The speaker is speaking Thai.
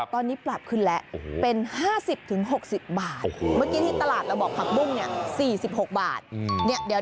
ตอนนี้ปรับขึ้นแล้วเป็น๕๐๖๐บาทเมื่อกี้ที่ตลาดเราบอกผักบุ้งเนี่ย๔๖บาท